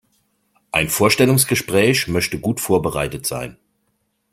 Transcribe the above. Ein Vorstellungsgespräch möchte gut vorbereitet sein.